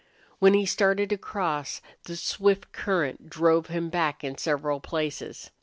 When he started to cross, the swift current drove him back in several places.